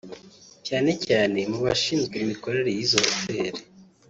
cyane cyane mu bashinzwe imikorere y’izo hoteli